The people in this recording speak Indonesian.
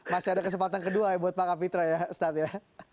masih ada kesempatan kedua ya buat pak kapitra ya ustadz ya